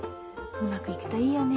うまくいくといいよね。